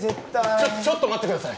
ちょっちょっと待ってください